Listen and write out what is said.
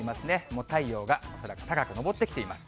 もう太陽が空高く昇ってきています。